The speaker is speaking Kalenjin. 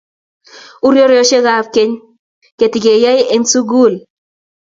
ureriosiek ab keny ketikeyoe en sukul